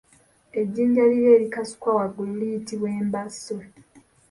Ejjinja liri erikasukwa waggulu liyitibwa embaso.